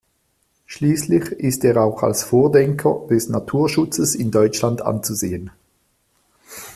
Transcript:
Schließlich ist er auch als Vordenker des Naturschutzes in Deutschland anzusehen.